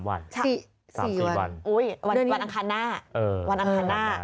๔วันวันอังคารหน้า